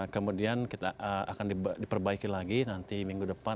kemudian akan diperbaiki lagi nanti minggu depan